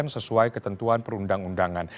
sesuai ketentuan perundang undangan